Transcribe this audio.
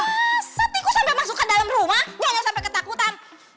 masa tikus sampai masuk ke dalam rumah nyonya sampai ketakutan